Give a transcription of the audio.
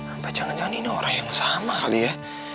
apa jangan jangan ini orang yang sama kali ya